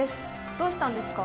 どうしたんですか？